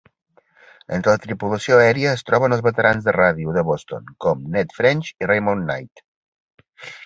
Entre la tripulació aèria es troben els veterans de ràdio de Boston com Ned French i Raymond Knight.